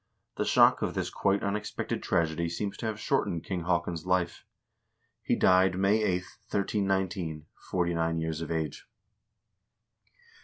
The shock of this quite unex pected tragedy seems to have shortened King Haakon's life. He died May 8, 1319, forty nine years of age.